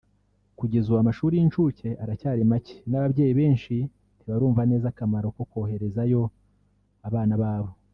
Kugeza ubu amashuri y’inshuke aracyari make kandi n’ababyeyi benshi ntibarumva neza akamaro ko koherezayo abana babo